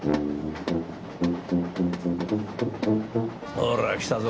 ほら来たぞ。